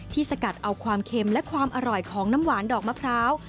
สกัดเอาความเค็มและความอร่อยของน้ำหวานดอกมะพร้าว